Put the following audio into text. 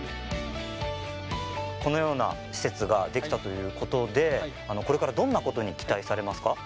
このような施設ができたということでこれからどんなことに期待されますか？